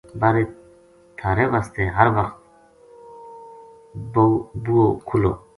بارے تھہارے واسطے ہر وخت بوہو کھُلو